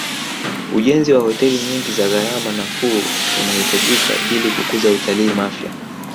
ujenzi wa hoteli nyingi za gharama nafuu unahitajika ili kukuza utalii mafia